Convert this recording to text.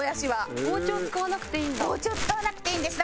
包丁使わなくていいんです。